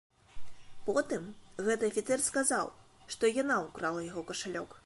Потым гэты афіцэр сказаў, што яна ўкрала яго кашалёк.